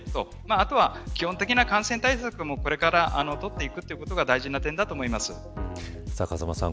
あとは、基本的な感染対策も取っていくことが風間さん